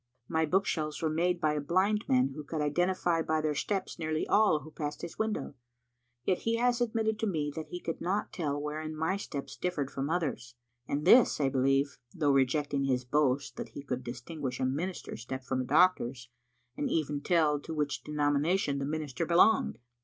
My book shelves were made by a blind man who could identify by their steps nearly all who passed his window. Yet he has admitted to me that he could not tell wherein my steps differed from others; and this I believe, though rejecting his boast that he could distinguish a minister's step from a doctor's, and even tell to which denomina tion the minister belonged.